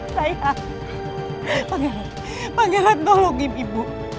sayang pangeran pangeran tolong ini ibu